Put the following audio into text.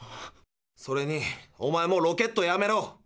それにおまえもうロケットやめろ。